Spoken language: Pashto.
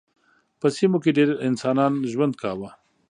په سیمو کې ډېر انسانان ژوند کاوه.